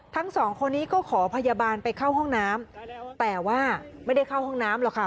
ทั้งสองคนนี้ก็ขอพยาบาลไปเข้าห้องน้ำแต่ว่าไม่ได้เข้าห้องน้ำหรอกค่ะ